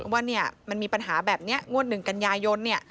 ว่ามันมีปัญหาแบบนี้งวด๑กันยายน